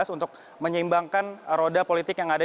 untuk menyeimbangkan roda politik yang ada